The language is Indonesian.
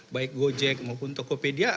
baik gojek maupun tokopedia